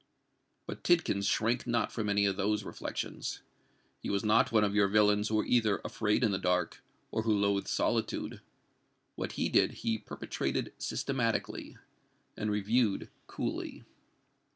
But Tidkins shrank not from any of those reflections: he was not one of your villains who are either afraid in the dark, or who loathe solitude;—what he did he perpetrated systematically, and reviewed coolly.